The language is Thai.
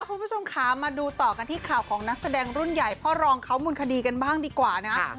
คุณผู้ชมค่ะมาดูต่อกันที่ข่าวของนักแสดงรุ่นใหญ่พ่อรองเขามูลคดีกันบ้างดีกว่านะ